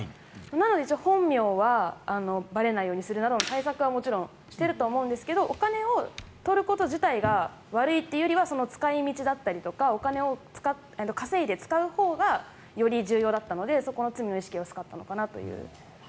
なので本名はばれないようにするなどの対策はもちろんしていると思いますがお金を取ること自体が悪いというよりはその使い道だったりお金を稼いで使うほうがより重要だったのでそこの罪の意識が薄かったのかなと。